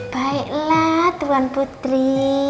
baiklah tuan putri